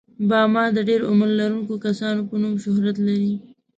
باما د ډېر عمر لرونکو کسانو په نوم شهرت لري.